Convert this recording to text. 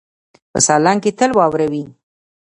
په سالنګ کې تل واوره وي.